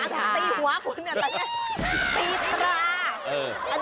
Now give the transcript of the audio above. ตีหัวคุณเนี่ยใช่มั้ย